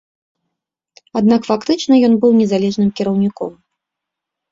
Аднак фактычна ён быў незалежным кіраўніком.